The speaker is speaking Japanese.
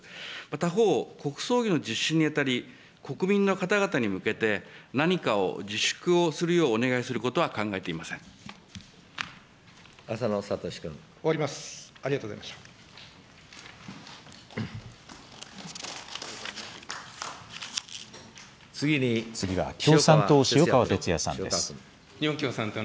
他方、国葬儀の実施にあたり、国民の方々に向けて、何かを自粛をするようお願いすることは考えて浅野哲君。